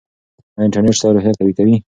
ایا انټرنیټ ستا روحیه قوي کوي؟